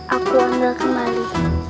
aku ambil kembali